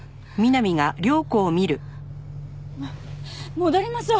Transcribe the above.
戻りましょう。